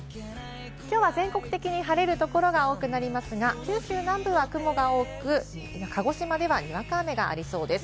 きょうは全国的に晴れるところが多くなりますが、九州南部は雲が多く、鹿児島では、にわか雨がありそうです。